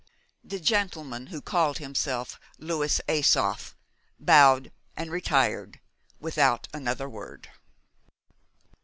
The gentleman who called himself Louis Asoph bowed, and retired without another word.